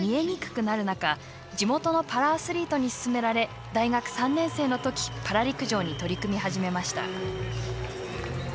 中地元のパラアスリートに勧められ大学３年生の時パラ陸上に取り組み始めました。